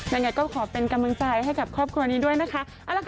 ยังไงก็ขอเป็นกำลังใจให้กับครอบครัวนี้ด้วยนะคะ